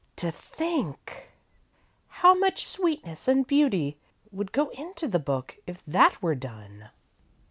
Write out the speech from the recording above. To think how much sweetness and beauty would go into the book, if that were done!"